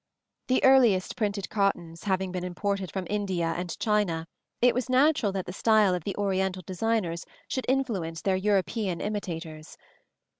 The earliest printed cottons having been imported from India and China, it was natural that the style of the Oriental designers should influence their European imitators.